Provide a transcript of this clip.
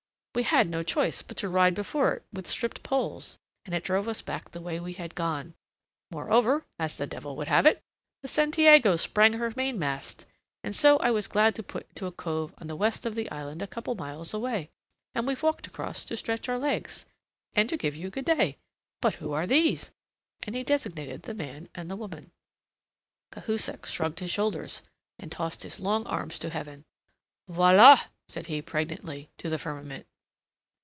We had no choice but to ride before it with stripped poles, and it drove us back the way we had gone. Moreover as the devil would have it! the Santiago sprang her mainmast; and so I was glad to put into a cove on the west of the island a couple of miles away, and we've walked across to stretch our legs, and to give you good day. But who are these?" And he designated the man and the woman. Cahusac shrugged his shoulders, and tossed his long arms to heaven. "Voila!" said he, pregnantly, to the firmament.